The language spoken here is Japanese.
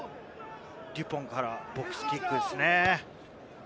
デュポンからボックスキックですね。